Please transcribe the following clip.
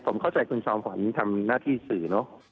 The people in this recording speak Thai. ผมเข้าใจคุณจอมขวัญทำหน้าที่สื่อเนอะ